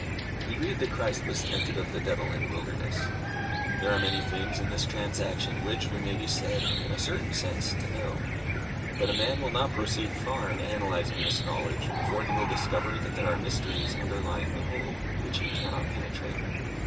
We read that Christ was tempted of the devil in the wilderness. There are many things in this transaction which we may be said, in a certain sense, to know. But a man will not proceed far in analyzing this knowledge before he will discover that there are mysteries underlying the whole, which he cannot penetrate.